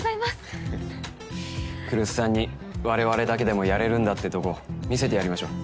ははっ来栖さんに我々だけでもやれるんだってとこ見せてやりましょう。